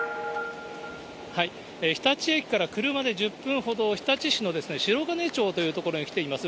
日立駅から車で１０分ほど、日立市のしろがね町という所に来ています。